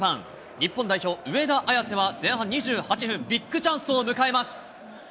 日本代表、上田綺世は前半２８分、ビッグチャンスを迎えます。